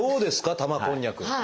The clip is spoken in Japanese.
玉こんにゃくは。